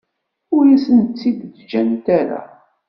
Ur asen-tt-id-ǧǧant ara.